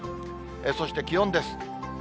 そして気温です。